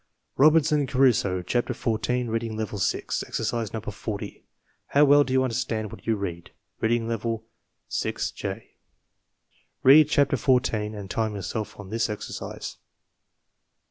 Robinson Crusoe, Chapter H, Reading Level VI, Exercise No. Jfi How well do you understand what you read? Reading Level VI J Read Chapter 14 and time yourself on this exercise.